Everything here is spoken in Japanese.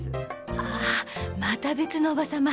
ああまた別の叔母様。